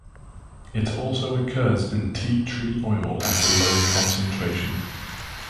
It also occurs in tea tree oil at a low concentration.